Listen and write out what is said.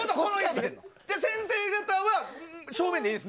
先生方は正面でいい？